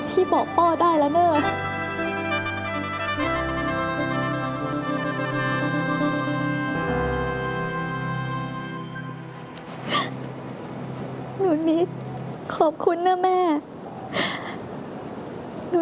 พี่กลิ่นไว้เรียกแม่นะ